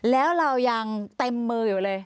แล้วเรายังเต็มมืออยู่เลย